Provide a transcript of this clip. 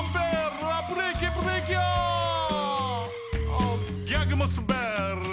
あギャグもスベル。